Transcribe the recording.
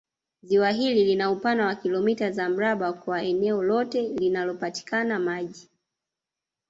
Ziwa hili lina upana wa kilomita za mraba kwa eneo lote linalopatikana maji